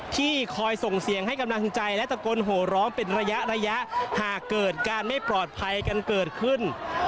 ที่คอยส่งเสียงให้กำลังใจและตะโกนโหร้องเป็นระยะระยะหากเกิดการไม่ปลอดภัยกันเกิดขึ้น